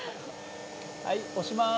はい押します。